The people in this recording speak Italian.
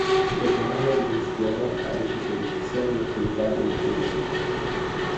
Dopo un anno di gestione ha deciso di cessare l'attività del Gira.